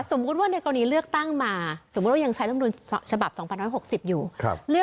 สมมุติว่าในกรณีเลือกตั้งมาสมมุติว่ายังใช้ลำนูนฉบับ๒๖๐อยู่